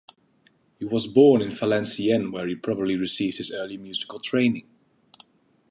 He was born in Valenciennes, where he probably received his early musical training.